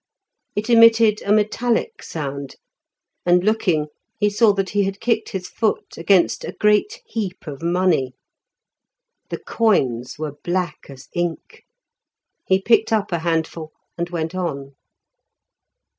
It emitted a metallic sound, and looking he saw that he had kicked his foot against a great heap of money. The coins were black as ink; he picked up a handful and went on.